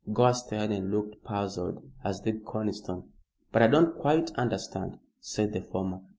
Gore stared and looked puzzled, as did Conniston. "But I don't quite understand," said the former.